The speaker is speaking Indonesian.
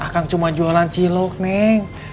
kang cuma jualan cilok neng